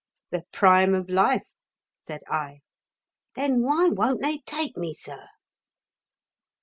"The prime of life," said I. "Then why won't they take me, sir?"